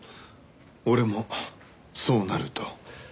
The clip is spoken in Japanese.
俺もそうなると？